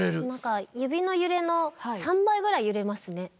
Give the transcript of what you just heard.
何か指の揺れの３倍ぐらい揺れますね。